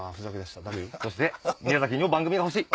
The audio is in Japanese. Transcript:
そして宮崎にも番組が欲しい！